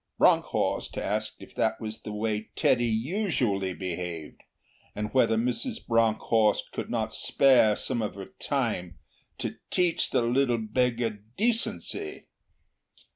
Bronckhorst asked if that was the way Teddy usually behaved, and whether Mrs. Bronckhorst could not spare some of her time 'to teach the little beggar decency'.